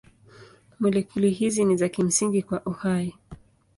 Molekuli hizi ni za kimsingi kwa uhai.